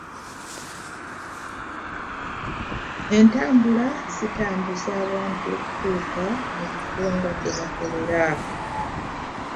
Entambula zitambuza abantu okutuuka mu bifo gye bakolera.